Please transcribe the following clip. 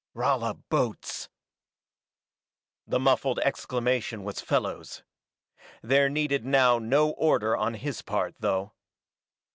"Rala boats!" The muffled exclamation was Fellows'. There needed now no order on his part, though.